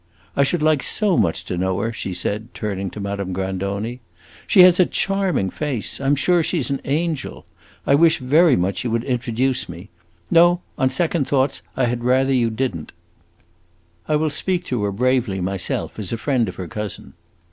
"I should like so much to know her!" she said, turning to Madame Grandoni. "She has a charming face; I am sure she 's an angel. I wish very much you would introduce me. No, on second thoughts, I had rather you did n't. I will speak to her bravely myself, as a friend of her cousin."